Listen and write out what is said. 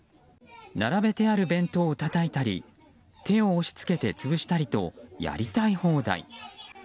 並べてある弁当をたたいたり手を押し付けて潰したりとやりたい放題。